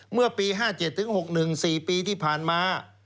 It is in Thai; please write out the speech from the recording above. เมื่อปี๕๗๖๑๔ปีที่ผ่านมา